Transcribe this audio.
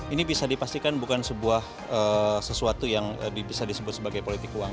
ini bisa dipastikan bukan sesuatu yang bisa disebut sebagai politik uang